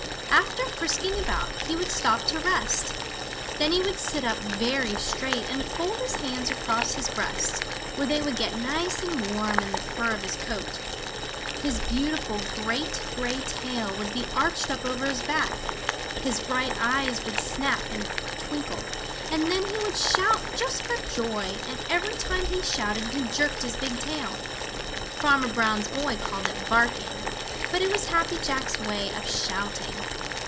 After frisking about he would stop to rest. Then he would sit up very straight and fold his hands across his breast, where they would get nice and warm in the fur of his coat. His beautiful, great gray tail would be arched up over his back. His bright eyes would snap and twinkle, and then he would shout just for joy, and every time he shouted he jerked his big tail. Farmer Brown's boy called it barking, but it was Happy Jack's way of shouting.